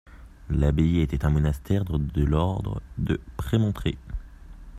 L'abbaye était un monastère de l'ordre de Prémontré.